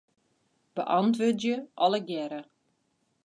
Beäntwurdzje allegearre.